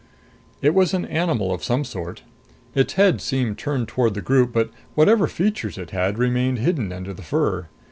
It was an animal of some sort. Its head seemed turned toward the group, but whatever features it had remained hidden under the fur.